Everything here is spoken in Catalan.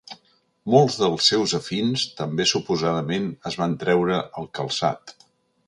Molts dels seus afins també suposadament es van treure el calçat.